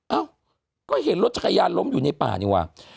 เอ้าก็เห็นรถจักรยานล้มอยู่ในป่านี่ว่ะ